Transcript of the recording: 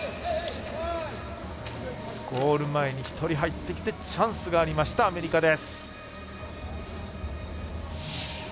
ゴール前に１人、入ってきてチャンスがありました、アメリカ。